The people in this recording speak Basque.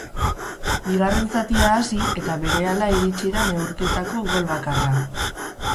Bigarren zatia hasi eta berehala iritsi da neurketako gol bakarra.